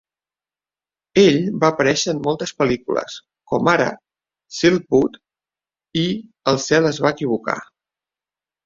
Ell va aparèixer en moltes pel·lícules, com ara "Silkwood" i "El Cel es va equivocar".